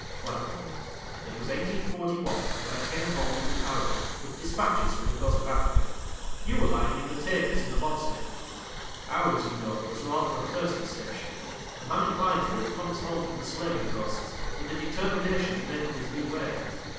' Well ; it was eighteen forty one when I came home in the " Arrow " with despatches from the coast of Africa : you were lying in the Tagus in the " Bobstay." Ours, you know, was rather a thirsty station ; a man inclined for it comes home from the Slaving Coasts with a determination to make up his lee way.